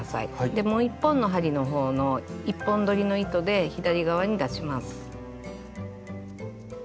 でもう一本の針の方の１本どりの糸で左側に出します。